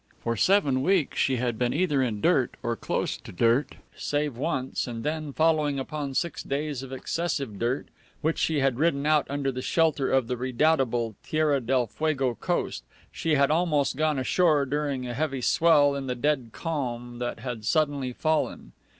For seven weeks she had been either in dirt, or close to dirt, save once, and then, following upon six days of excessive dirt, which she had ridden out under the shelter of the redoubtable Terra Del Fuego coast, she had almost gone ashore during a heavy swell in the dead calm that had suddenly fallen.